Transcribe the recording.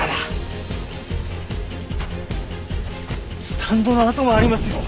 スタンドの跡もありますよ。